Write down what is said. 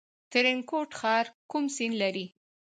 ترینکوټ ښار کوم سیند لري؟